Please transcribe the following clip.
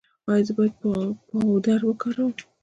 ایا زه باید پاوډر وکاروم؟